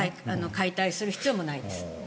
解体する必要もないです。